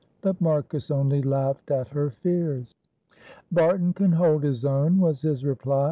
But Marcus only laughed at her fears. "Barton can hold his own," was his reply.